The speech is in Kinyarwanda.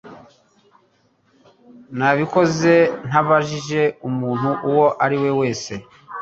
Nabikoze ntabajije umuntu uwo ari we wese.